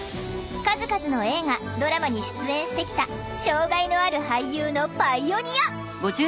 数々の映画ドラマに出演してきた障害のある俳優のパイオニア！